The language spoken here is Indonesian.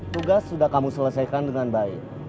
tugas sudah kamu selesaikan dengan baik